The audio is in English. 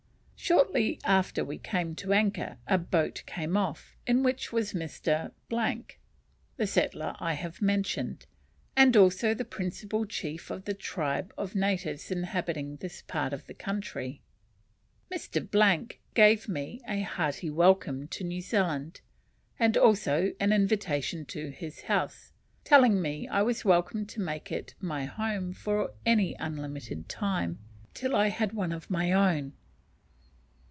Shortly after we came to anchor, a boat came off, in which was Mr. , the settler I have mentioned, and also the principal chief of the tribe of natives inhabiting this part of the country. Mr. gave me a hearty welcome to New Zealand, and also an invitation to his house, telling me I was welcome to make it my home for any unlimited time, till I had one of my own.